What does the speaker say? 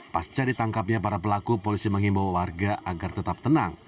pas cari tangkapnya para pelaku polisi mengimbau warga agar tetap tenang